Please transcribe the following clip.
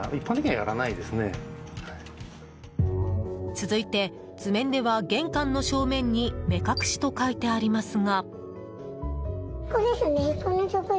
続いて、図面では玄関の正面に目隠しと書いてありますが。